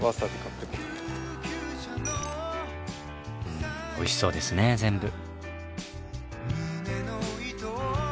うんおいしそうですね全部。